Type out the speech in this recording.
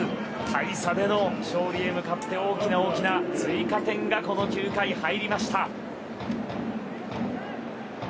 大差での勝利へ向かって大きな大きな追加点がこの９回、入りました。